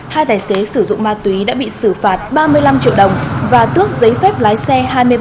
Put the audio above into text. hai tài xế sử dụng ma túy đã bị xử phạt ba mươi năm triệu đồng và tước giấy phép lái xe hai mươi bảy